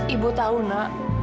ibu tau nak